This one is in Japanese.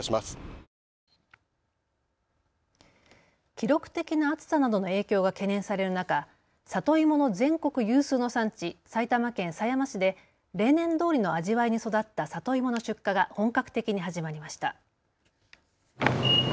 記録的な暑さなどの影響が懸念される中、里芋の全国有数の産地、埼玉県狭山市で例年どおりの味わいに育った里芋の出荷が本格的に始まりました。